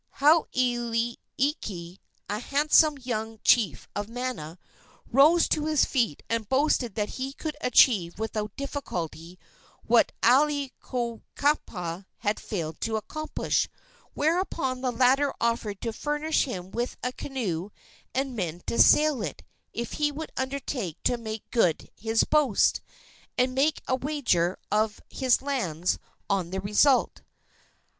Hauailiki, a handsome young chief of Mana, rose to his feet and boasted that he could achieve without difficulty what Aiwohikupua had failed to accomplish; whereupon the latter offered to furnish him with a canoe and men to sail it if he would undertake to make good his boast, and each made a wager of his lands on the result.